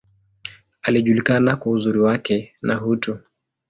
Alijulikana kwa uzuri wake, na utu.